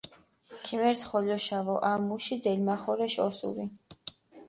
ქიმერთ ხოლოშავო, ა, მუში დელმახორეშ ოსური.